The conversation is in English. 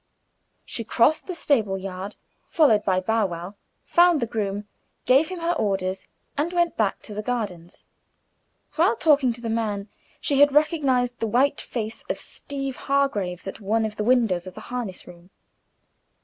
She crossed the stable yard, followed by Bow wow, found the groom, gave him her orders, and went back to the gardens. While talking to the man, she had recognized the white face of Steeve Hargraves at one of the windows of the harness room.